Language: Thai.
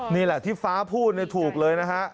นี่แหละที่ฟ้าพูดถูกเลยนะฮะ